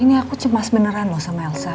ini aku cemas beneran loh sama elsa